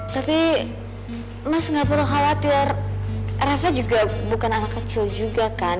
tapi mas gak perlu khawatir rafa juga bukan anak kecil juga kan